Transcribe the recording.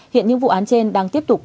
hiện những vụ án trên đang tiếp tục